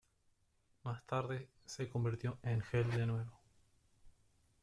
Más tarde, se convirtió en heel de nuevo.